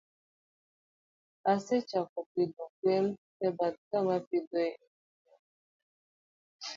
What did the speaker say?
Kendo osechako pidho gwen e bath kama opidhoe anguro no.